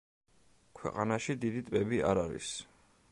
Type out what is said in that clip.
ქვეყანაში დიდი ტბები არ არის.